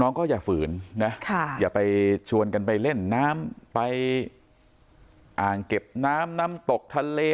ก็อย่าฝืนนะอย่าไปชวนกันไปเล่นน้ำไปอ่างเก็บน้ำน้ำตกทะเล